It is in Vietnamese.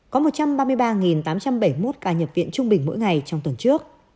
có một trăm ba mươi ba tám trăm bảy mươi một ca nhập viện trung bình mỗi ngày trong tuần trước